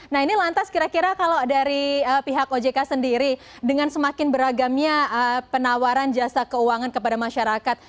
nah ini lantas kira kira kalau dari pihak ojk sendiri dengan semakin beragamnya penawaran jasa keuangan kepada masyarakat